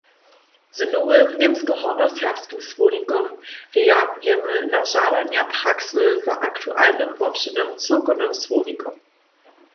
Z nowym němsko-hornjoserbskim słownikom reagujemy na žadanja praksy za aktualnym wobšěrnym cyłkownym słownikom.